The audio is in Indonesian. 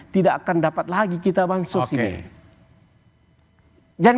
tidak akan dapat lagi kita bansos ini